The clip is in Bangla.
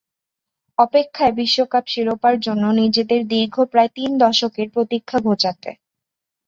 অপেক্ষায় বিশ্বকাপ শিরোপার জন্য নিজেদের দীর্ঘ প্রায় তিন দশকের প্রতীক্ষা ঘোচাতে।